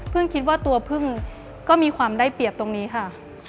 คิดว่าตัวพึ่งก็มีความได้เปรียบตรงนี้ค่ะ